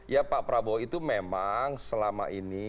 ya pak prabowo itu memang selama ini